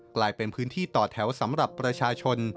กลายเป็นพื้นที่ต่อแถวสำหรับประชาชน